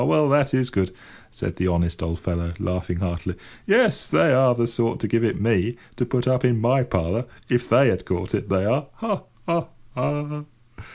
Well, that is good," said the honest old fellow, laughing heartily. "Yes, they are the sort to give it me, to put up in my parlour, if they had caught it, they are! Ha! ha! ha!"